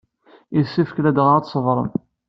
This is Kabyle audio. Yessefk ladɣa ad tṣebrem.